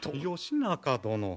義仲殿。